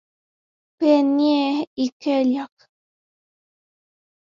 Penney" y "Kellogg's".